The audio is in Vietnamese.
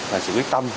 và sự quyết tâm